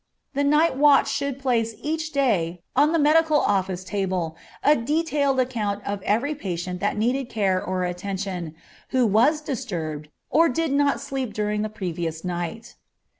The night watch should place each day on the medical office table, a detailed account of every patient that needed care or attention, who was disturbed, or did not sleep during the previous night.